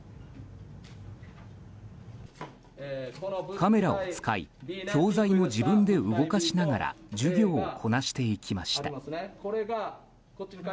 カメラを使い教材も自分で動かしながら授業をこなしていきます。